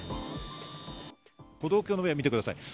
歩道橋の上を見てください。